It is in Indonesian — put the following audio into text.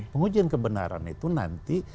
pengujian kebenaran itu nanti